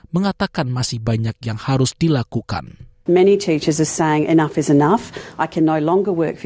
mengatakan masih banyak yang harus dilakukan